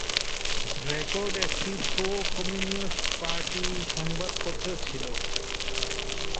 Record একটি pro communist party সংবাদপত্র ছিল।